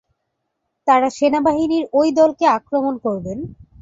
তারা সেনাবাহিনীর ওই দলকে আক্রমণ করবেন।